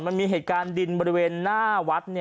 มันมีเหตุการณ์ดินบริเวณหน้าวัด